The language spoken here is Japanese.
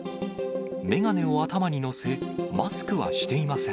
眼鏡を頭に載せ、マスクはしていません。